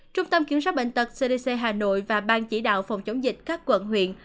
trung tâm kiểm soát bệnh tật cdc hà nội và ban chỉ đạo phòng chống dịch các quận huyện